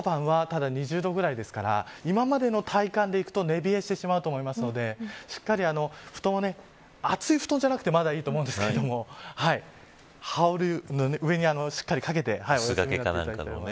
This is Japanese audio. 朝晩はただ２０度ぐらいですから今までの体感でいくと寝冷えしてしまうと思いますのでしっかり布団を厚い布団じゃなくてまだいいと思いますけども上にしっかりかけてお休みいただきたいと思います。